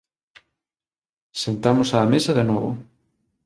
Sentamos á mesa de novo.